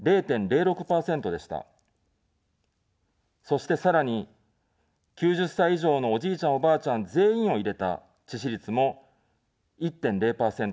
そして、さらに、９０歳以上のおじいちゃん、おばあちゃん全員を入れた致死率も１．０％でした。